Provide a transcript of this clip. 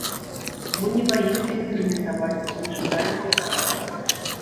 Мы не баімся эксперыментаваць, бо не жадаем паўтарацца.